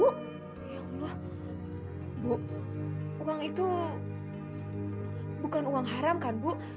bu ya allah bu uang itu bukan uang haram kan bu